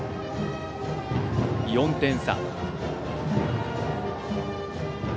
４点差。